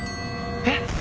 えっ？